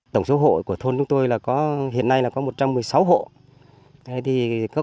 tổng số hộ của thôn chúng tôi là hiện nay là có một trăm một mươi sáu hộ